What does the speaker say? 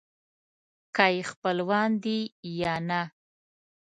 که یې خپلوان دي یا نه.